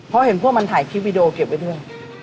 เพราะเห็นพวกมันถ่ายคลิปวิดีโอเก็บไว้ด้วย